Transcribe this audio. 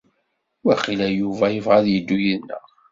Waqila Yuba ibɣa ad yeddu yid-neɣ.